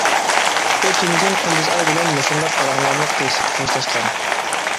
ئۇ تۈنۈگۈن قۇندۇزئاي بىلەن مۇشۇنداق پاراڭلارنى قىلىشىپ خوشلاشقان.